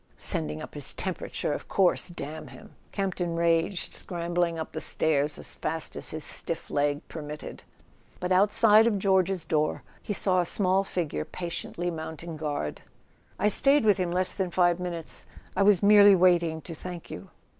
"Sending up his temperature, of course—damn him!" Campton raged, scrambling up the stairs as fast as his stiff leg permitted. But outside of George's door he saw a small figure patiently mounting guard. "I stayed with him less than five minutes; I was merely waiting to thank you."